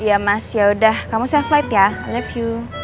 iya mas yaudah kamu safe flight ya i love you